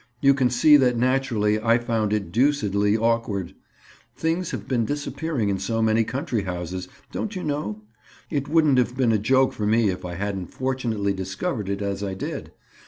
"You can see that naturally I found it deucedly awkward. Things have been disappearing in so many country houses, don't you know. It wouldn't have been a joke for me if I hadn't fortunately discovered it as I did.